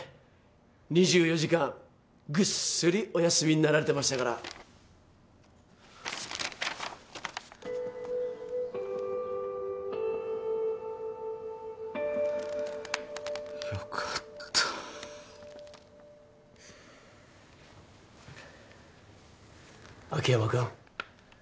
２４時間ぐっすりおやすみになられてましたからよかった秋山君